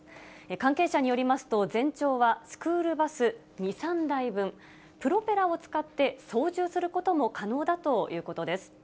関係者によりますと、全長はスクールバス２、３台分、プロペラを使って操縦することも可能だということです。